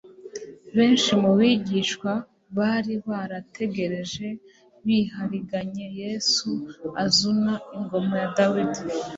Benshi mu bigishwa bari barategereje bihariganye Yesu azuna ingoma ya Dawidi,